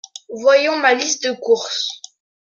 Voyons ma liste de courses…